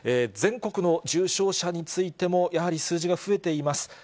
全国の重症者についても、やはり数字が増えています。